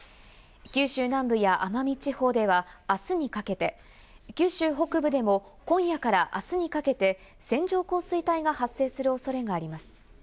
九州南部や奄美地方ではあすにかけて、九州北部でも今夜からあすにかけて線状降水帯が発生する恐れがあります。